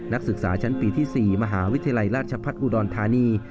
นักศึกษาชั้นปีที่๔มหาวิทยาลัยราชพัฒน์อุดรธานี